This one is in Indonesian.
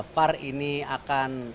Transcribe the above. var ini akan